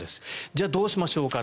じゃあ、どうしましょうか。